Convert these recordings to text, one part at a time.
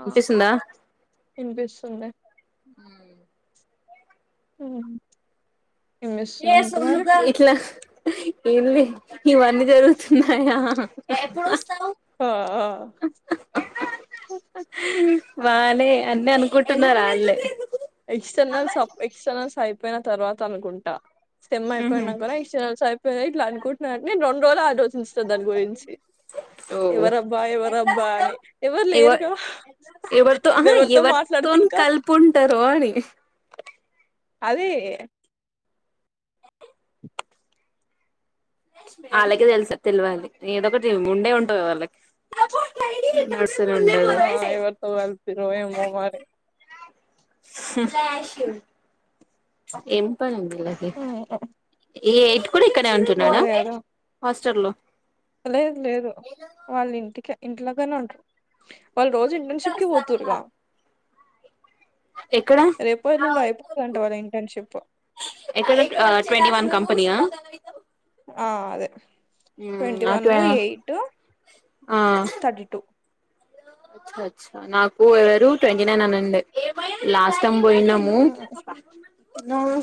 ఆ వినిపిస్తుందా వినిపిస్తుందా ఉమ్ ఏం ఏ చేస్తున్నావ్ ఇంకా మరి సొల్లుగా ఇట్లా ఏంది ఇవన్నీ జరుగుతున్నాయా ఆ హా ఆహా అని ఆ హా హా బానే అన్ని అనుకుంటున్నారు వాల్లే ఎక్స్టర్నల్స్ప్ అప్ ఎక్స్టర్నల్స్ అయిపోయిన తర్వాత అనుకుంటా స్టెమ్ అయిపోయినాంకా ఎకస్టర్నల్స్ అయిపోయి ఇట్లా అనుకుంటన్నారే రెండు రోజులు ఆ రోజ్ చూస్త దాని గురించి ఓ ఎవరబ్బా ఎవరబ్బా అని ఎవరు ఎవ లేరు కదా ఎవరితో ఆహ ఎవరితో మాట్లాడితే ఇంకా కలిపుంటారో అని అదే వాళ్ళకి తెలుసా తెలివాలి ఏదో ఒకటి ఉండే ఉంటంది వాళ్ళకి నడుస్తూనే ఆ ఉంటది ఎవరితో వెళ్తురు ఏమో మరి హు హు ఏం పనులు అది ఉమ్, ఈ ఎయిట్ కూడా ఇక్కడ ఉంటున్నాడా అదే కదా హాస్టల్ లో లేదు లేదు వాళ్ళ ఇంటికే ఇంట్లాగానే ఉంటారు వాళ్ళు రోజు ఇంటర్న్షిప్ కి పోతురుగా ఎక్కడ రేపో ఎల్లుండో అయిపోతుందంట వాళ్ళ ఇంటర్న్షిప్ ఎక్కడ ఆ ట్వంటీ వన్ కంపనీ ఆ ఆ అదే ట్వంటీ వన్ అటు ఎయిట్ థర్టీ టూ అచ్చా నాకు ఎవరు ట్వంటీ నైన్ అని ఉండే లాస్ట్ త్తం పోయినాము ఉమ్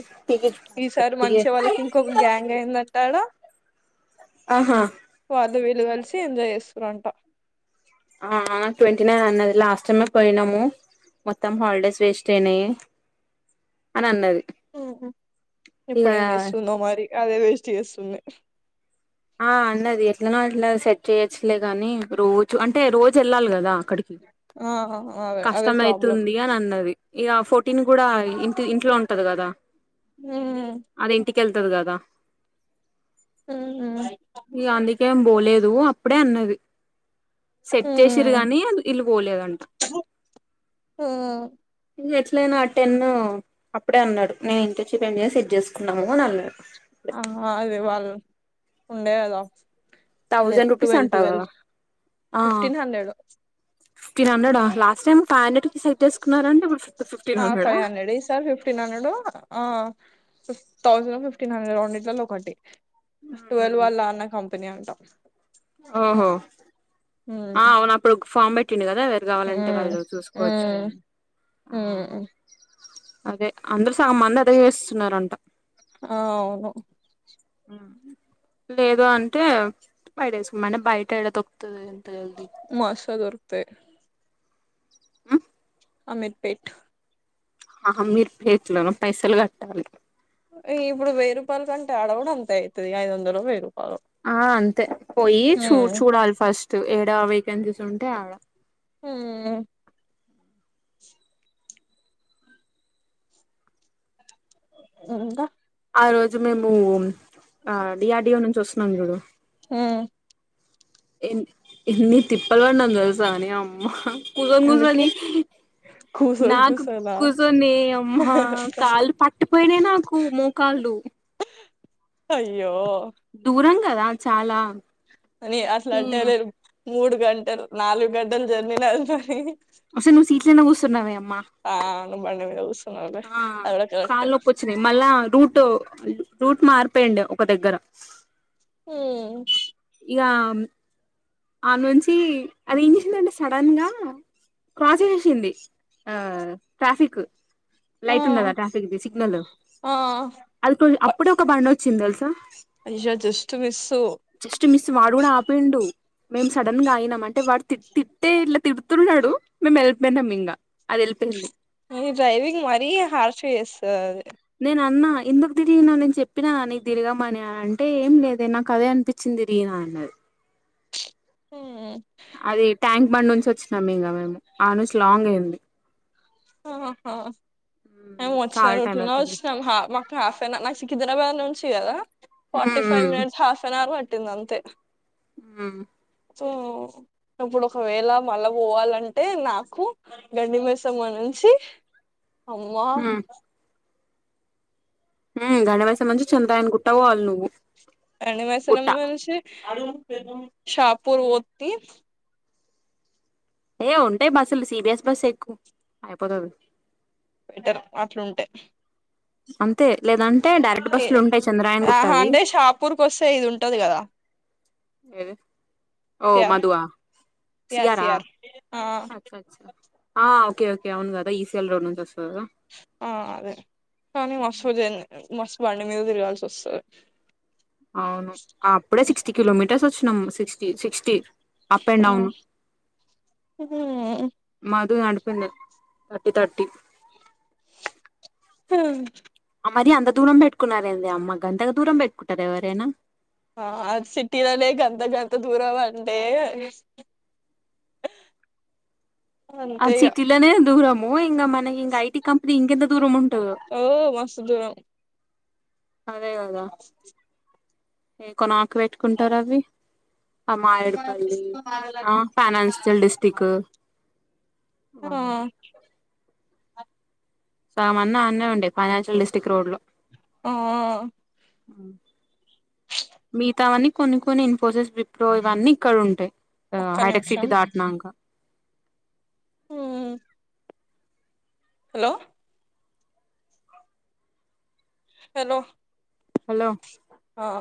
ఈసారి మంచి [unintelligible] వాళ్ళకి ఇంకొక గ్యాంగ్ అయిందట ఆడ ఆహా వీలు కలిసి ఎంజాయ్ చేస్తురంట ఆ ఆ ట్వెంటీ నైన్ అన్నది లాస్ట్ టై పోయినము మొత్తం హాలిడేస్ వేస్ట్ అయినాయి అని అన్నది ఓహో ఇక ఇప్పుడేం చేస్తుందో మరి అదే వేస్ట్ చేస్తుంది ఆ అన్నది ఎట్ల అట్లా సెట్ చేయొచ్చులే కాని రోజు అంటే రోజు వెళ్ళాలి కదా క్కడికి ఆ అదే అదే ప్రాబ్లం కష్టమయితుంది అని అన్నది ఇక ఆ ఫోర్టీన్ కూడా ఇంటి ఇంట్లో ఉంటది కదా ఉమ్ కేళ్తది కదా ఉమ్ ఈ అందుకే ఏం పోలేదు అప్పుడే అన్నది సెట్ చేసిరు గానీ అద్ ఈలు పోలేదంట ఎట్లా అయినా టెన్ అప్పుడే అన్నాడు నేను ఇంటర్న్షిప్ అయినా చేసి సెట్ చేసుకుందాము అన్నాడు ఆ అదే వాళ్ళు ఉండే కదా థౌజండ్ రూపీస్ ట్వోవల్ అంటా ట్వోవల్ కదా ఆ ఫిఫ్టీన్ హండ్రెడ్ ఫిఫ్టీన్ హండ్రెడ్ ఆ లాస్ట్ టైం ఫైవ్ హండ్రెడ్ కి సెక్ట్ చేసుకున్నారంట ఆ ఫైవ్ హండ్రెడ్ ఏ ఈ సార్ ఫిఫ్టీన్ హండ్రెడు ఆ ఫిఫ్ థౌసండ్ ఫిఫ్టీన్ హండ్రెడ్ రెండిట్లో ఒకటి ట్వెల్వ్ వాల్ల అన్న కంపెనీ అంటా ఓహో ఆ అవును అప్పుడు ఫామ్ మెట్ కదా వేరు కావాలంటే ఉమ్ వాళ్ళు చూసుకోవచ్చు ఉమ్ అని ఉమ్ అదే అందరు మంద తోసేస్తున్నారు అంట ఆ అవును లేదు అంటే బయట వేసుకోమ అంటే బయట ఎడ తొక్కుతదో అని మస్త్ దొరుకుతాయి హ్మ్మ్ అమిర్పేట్ ఆ అమీర్ పేట్లో పైసలు కట్టాలి ఇప్పుడు వయ్యి రూపాయల కంటే అడకుడ అంతే అవుతది ఐదు వందలు వేరు ఆ అంతే పోయి చూ ఉమ్ చూడాలి ఫస్ట్ ఏడా వేకెన్సీస్ ఉంటే ఆడ హ్మ్మ్ ఇంకా ఆ రోజు మేము ఆ డిఆర్డియ నుంచి వస్తున్నాం చూడు హ్మ్మ్ ఎ ఎన్ని తిప్పల పన్నాము నే అమ్మ ఇంక ఎందుకే ముందు కూసోలు నాకు కూసోలా కూర్చొనే అమ్మా కాళ్లు పట్పోయినాయి నాకు మోకాళ్ళు ఉ అయ్యో దూరం కదా చాలా అని అట్లా ఈ అంటేలేరు మూడు గంటలు నాలుగు గంటలు జర్నీ అసలు అసలు నువ్వు సీట్లనా కూర్సన్నావే అమ్మా ఆ నువ్వు బండి మీద కూర్చు ఆ కాలు నొప్పు వచ్చినాయి మళ్ళా రూటు రూట్ మార్పేయండ ఒక దగ్గర హ్మ్మ్ ఇక ఆ నుంచి అది ఎం చేసిందంటే సడన్ గా క్రాసింగ్చేసింది ఆ ట్రాఫిక్ ఆ లైట్ ఉండదా ట్రాఫిక్దిి సిగ్నల్ ఆ అది కొ అప్పుడే ఒక బండి వచ్చింది తెలుసా అయ్యో జస్ట్ మిస్సు జస్ట్ మిస్ వాడు కూడా ఆపిండు మేము సడన్ గా అగినాం అంటే వాడు తిట్టే ఇట్లా తి డుతున్నాడు మేము వెళ్ళిపోయినాం ఇంకా అది వెళ్ళిపోయింది అది డ్రైవింగ్ మరీ హార్ష్ చేస్తుది అది నేను అన్నా ఇందుకు తిరిగి నా మీద చెప్పినా వ అ నీకు తిగమని అ అంటే ఏం లేదే నాకు అదే అనిపించింది ది దిగిన అన్నాడు హ్మా అది ట్యాంక్ బండ్ నుంచి వచ్చినాం ఇంకా మేము ఆ నుంచి లాంగ్ అయ్యింది ఆహా ఆహా మేమ్ వచ్చె చాలా టైం రూట్‌లోనే పట్టింది వచ్చినామ్ హాఫ్ అన్ అవర్ నాకు సికింద్రాబాద్ నుంచి కదా forty five hmm minutes half an hour పట్టి పట్టింది అంతే హు సో అప్పుడు ఒకవేళ మళ్ళా పోవాలంటే నాకు గండిమేసమని సి అమ్మ హ్మ్ హ్మ్ గండి మైసమ్మ నుంచి చండ్రాయన గుట్టకి పోవాల నువ్వు గుట్ట షాపుర్ పోతి ఏ ఉంటాయి బస్సులు సిబిఎస్ బస్ ఎక్కు అయిపోతాది బెటర్ అట్లుంటే అంతే లేదంటే డైరెక్ట్ బస్సులు ఏ- ఉంటాయి చంద్రాయన ఆహా గుట్టవి అంటే షాపూర్ కి వస్తే ఇది ఉంటది కదా ఏ ఓ సిఆర్ మధువా సిఆర్ సియారా సిఆర్ ఆ ఆ ఓకే ఓకే అవును కదా ఈ సి ఎల్ రోడ్ నుంచి కదా ఆ అదే కానీ వస్తూది అన్నారు మస్తు బండి మీద తిరగాల్సి వస్తుది అవును అప్పుడే సిక్స్టీ కిలోమీటర్స్ వచ్చి నాము sixty sixty up and down వస్తది మధు అండ్ [inaudible] తర్టీ తర్టీ హ మరీ అంత దూరం పెట్టుకున్నారేందే అమ్మ గంతగా దూరం పెట్టుకుంటార ఎవరైనా ఆ అది సిటీలోనే గంత గంత దూరం అంటే ఆ అంతే ఇగ సిటీలోనే దూరము ఇంకా మనకి ఇంకా ఐటీ కంపెనీ ఇంకెంత దూరం ఉంటదో ఓ మస్తు దూరం అదే కదా ఏ కొనకు ఆ పెట్టుకుంటారు అవి ఆ మాయడిపల్లి ఆ ఫైనాన్షియల్ డిస్టిక్ వామ్మో సగం అన్నీ అన్నే ఉండే ఫైనాన్చియల్ డిస్టిక్ట్ రోడ్ లో ఆ మీతావన్ని కొన్ని కొన్ని ఇన్ఫోసిస్ విప్రో ఇవన్నీ ఇక్కడ ఉంటాయి ఒక్క హైటెక్ సిటీ నిమిషం దాటినాక హు హలో హలో హలో ఆ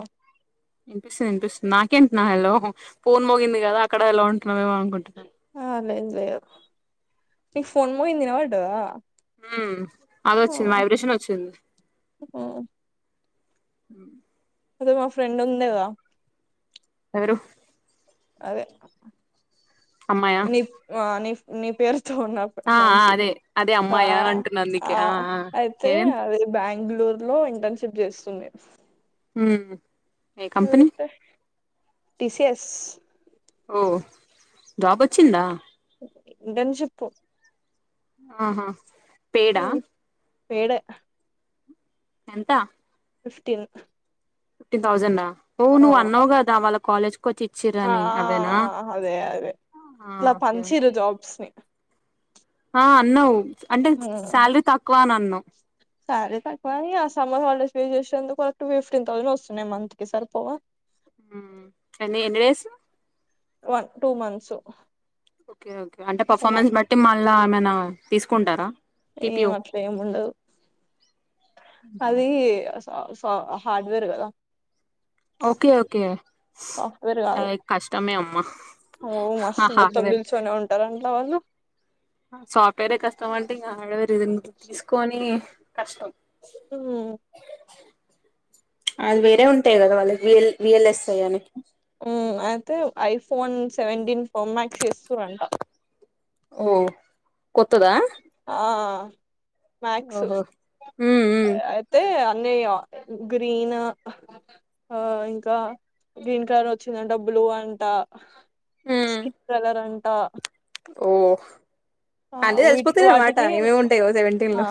వినిపిస్తుంది వినిపిస్తుంది నాకేంటి నా హలో ఫోన్ మోగింది కదా అక్కడ ఎలా ఉంటు అే వాంగ్కుంటద ఆ లేదు లేదు నీకు ఫోన్ మోగింది వినపడ్డదా అది వచ్చింది వైబ్రేషన్ వచ్చింది హ అదే మా ఫ్రెండ్ ఉంది కదా ఎవరు అదే అమ్మాయా నీ ఆ నీీ పేరు ఉన్నప్పు ఆ ఆ మనిషి అదే అదే ఆ అమ్మాయా అని అంటున్నా అందుకే ఆ ఆ అయితే ఏం అది బ్యాం బెంగళూరు లో ఇంటర్న్షిప్ చేస్తుంది హామ్ టీ సీఎస్ ఓ జాబొచ్చిందా ఇంటెన్ షిప్పు ఆహా పేడా పేడె ఎంత ఫిఫ్టీన్ ఫిఫ్టీన్ థౌజండా ఓ ఆ నువ్వు అన్నావ్ గదా వాళ్ళ కాలేజ్ [unintelligible] ఆ ఇచ్చిర్రని అవేనా అదే అదే ఆ ఇట్లా ఒకే ఒకే పంచిరు జాబ్స్ ని హా అన్నావ్ అంటే శాలరీ తక్కువా అనన్నావ్ శారీ తక్కువ ఆ సమ్మర్ హాలిడేస్ వే చేసేందుకు ఒక ఫిఫ్టీన్ థౌసండ్ వస్తున్నాయి మంత్ కి సర్ పోవ హ్మ్ ఎన్ని ఎన్ని డేస్ వన్ టూ మంత్సు ఒకే ఒకే అంటే పర్ఫార్మెన్స్ బట్టి మళ్ళా ఏమైనా తీసుకుంటారా టిపిఓ ఏమట్లే ముండదు అది ఆ సహార్డ్వేర్ గదా ఒకే ఒకే సాఫ్ట్ వేర్ గాదు ఓ ఆ మస్తు మొత్తం హార్డ్వేర్ దెల్సు అనే ఉంటార లవలు సాఫ్ట్ వేరే కష్టం అంటే ఇంగ ఆడవేరు ఇదెంకు తీసుకొని కష్టం అది వేరే ఉంటాయ్ గదా వాళ్ళకి వీల్ వీఎల్ఎస్ఐ అని ఊ అయితే ఐఫోన్ సెవెంటీన్ ప్రో మ్యాక్స్ ఇస్తురంట ఓ కొత్తదా ఆ మ్యాక్సు ఓహో ఉమ్ ఉమ్ అయితే అన్నయ గ్రీను ఆ ఇంకా గ్రీన్ కలర్ వొచ్చిందంట బ్లూ అంట ఉమ్ స్కిన్ కలర్ అంట ఓ ఆ అన్నీ వీటికి తెలిసిపోతాయ్ అనమాట వాటికి ఏమేముంటాయో సెవెంటీన్ ఆ లో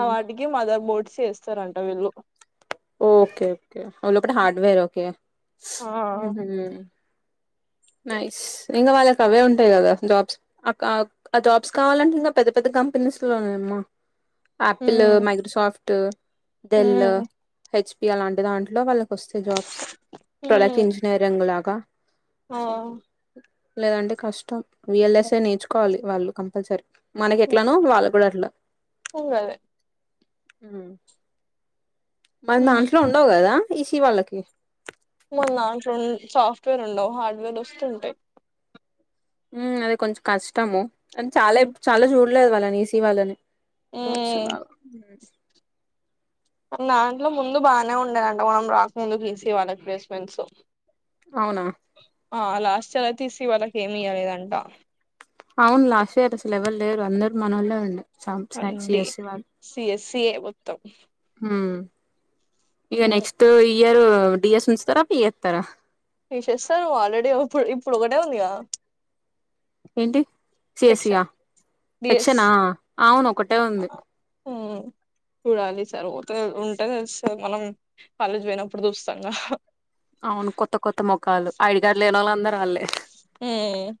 ఆ వాటికి మదర్ బోర్డ్స్ ఏస్తారంట వీళ్ళు ఓకేఓకే వాళ్ళొక్కటి హార్డ్ వేర్ ఒకే ఆ ఉహూ నైస్ ఇంగ వాళ్ళకవే ఉంటాయి గదా జాబ్స్ అకాక్ ఆ జాబ్స్ కావాలంటే ఇంగా పెద్ద పెద్ద కంపెనీస్ లోనే అమ్మా ఆపిలు ఉమ్ మైద్రుసాఫ్టు డెల్లు ఉమ్ హెచ్పి అలాంటి దాంట్లో వాళ్ళు వస్తే జాబ్సు ప్రొడక్ట్ ఇంజనీరింగ్ లాగా ఆ సంథింగ్. లేదంటే కష్టం విఎల్ఎస్ఏ నేర్చుకోవాలి వాళ్ళు కంపల్సరీ మనకెట్లనో వాళ్ళగ్గుడ అట్ల ఆ గదే ఉ మన్ దాంట్లో ఉండవ్ గదా ఇసీ వాళ్ళకి మన్ దాంట్లోన్ సాఫ్ట్ వేర్ ఉండవ్ హార్డ్ వేర్ వస్తే వుంటాయ్ ఉ అది కొంచెం కష్టము అండ్ చాలా ఉమ్, చాలా జూల్లేదు వాళ్ళని ఈసీ వాళ్ళని జాబ్స్ ఉమ్, లాగ మన్ దాంట్లో ముందు బానే ఉండేదంట మనం రాకముందు బీసి వాళ్ళకు ప్రే స్మెంట్సు అవునా ఆ లాస్టియర్ అయితే ఈసీ వాళ్ళకి ఏమి ఇయ్యలేదంట అవును లాస్టియర్ అసలు ఎవరు లేరు అందరు మనోళ్ళె ఉండ సమ్ సై అండి సియ్యస్సి వాల్ సిఎస్సిఏ మొత్తం హు ఇక ఉమ్, నెక్స్ట్ ఇయరు డీఎస్సీ ఇస్తారా [inaudible] తీసేస్తే ఆల్రెడీ ఇప్పుడు ఇప్పుడు ఒకటే ఉంది కదా ఏంటి సేసియా డిఎస్ సెక్షనా అవును ఒకటే ఉంది చల్ ఊరకనే ఉంటే స మనం కాలేజ్ పోయినప్పుడు చూస్తాంగా అవును కొత్త కొత్త మోఖాలు ఐడి కార్డులు లేని వాళ్ళ అందరూ వాళ్ళే మ్మ్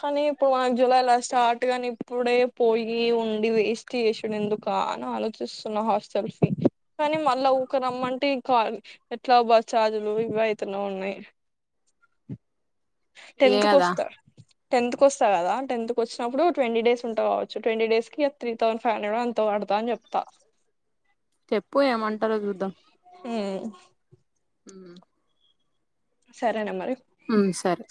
కానీ ఇప్పుడు మనకు జులై లా స్టార్ట్ గాని ఇప్పుడే పోయి ఉండి వేస్ట్ చేసాడు ఎందుకు అను ఆలోచిస్తున్నా హాస్టెల్ ఫీ కానీ మళ్ళా ఊకే రమ్మంటే ఇంకా ఎట్లా బస్ చార్జులు ఇవి ఎక్కువే అయితున్నాయి ఏ టెన్త్కి కదా వస్తా టెన్త్ కి వస్త కదా టెన్త్ కి వచ్చినప్పుడు ట్వంటీ డేస్ ఉంటా వచ్చేట్వంటీ డేస్ కి త్రీ థౌసండ్ ఫైవ్ హండ్రెడ్ ఎంతో తా అని చెప్తా చెప్పు ఏమంటారో చూద్దాం ఉమ్ మ్మ్ హ్మ్ సరేనా మరి మ్మ్ సరే